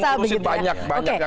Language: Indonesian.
iya yang ngurusin banyak